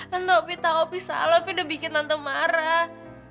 tante opi tau opi salah tapi udah bikin tante marah